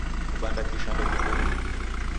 Kubanda kisha ndokuboie.